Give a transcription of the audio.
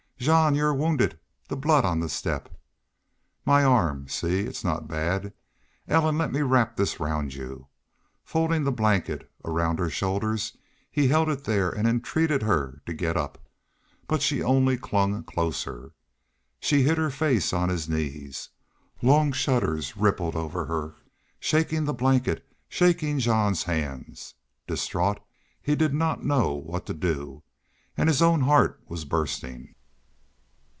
"Jean y'u are wounded... the blood on the step!" "My arm. See. It's not bad.... Ellen, let me wrap this round you." Folding the blanket around her shoulders, he held it there and entreated her to get up. But she only clung the closer. She hid her face on his knees. Long shudders rippled over her, shaking the blanket, shaking Jean's hands. Distraught, he did not know what to do. And his own heart was bursting.